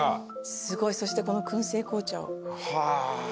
すごいそしてこの燻製紅茶を。